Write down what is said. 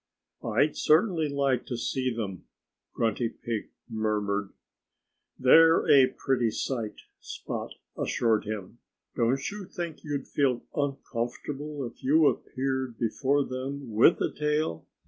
"I'd certainly like to see them," Grunty Pig murmured. "They're a pretty sight," Spot assured him. "Don't you think you'd feel uncomfortable if you appeared before them with a tail?